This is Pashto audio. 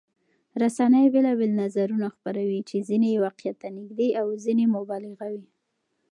رسنۍ بېلابېل نظرونه خپروي چې ځینې یې واقعيت ته نږدې او ځینې مبالغه وي.